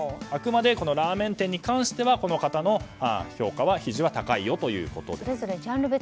あくまでラーメン店に関してはこの方の評価の比重が高いよということです。